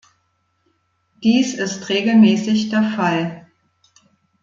Dies ist regelmäßig der Fall.